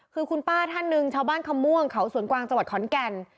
คือคุณป้าท่านหนึ่งชาวบ้านคำม่วงเขาสวนกวางจังหวัดขอนแก่น